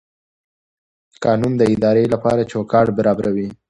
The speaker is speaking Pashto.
قانون د ادارې لپاره چوکاټ برابروي.